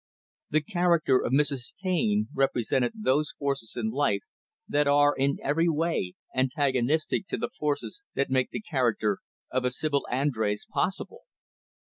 The character of Mrs. Taine represented those forces in life that are, in every way, antagonistic to the forces that make the character of a Sibyl Andrés possible.